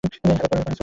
Hello, Parasu.